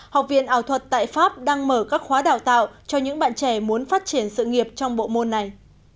học viên ảo thuật tại pháp đang mở các khóa đào tạo cho những bạn trẻ muốn phát triển sự nghiệp trong bộ môn này